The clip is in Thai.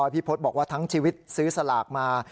พี่พศบอกว่าทั้งชีวิตซื้อสลากมา